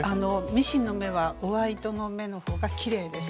ミシンの目は上糸の目の方がきれいです。